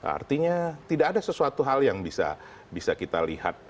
artinya tidak ada sesuatu hal yang bisa kita lihat